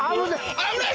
危ない！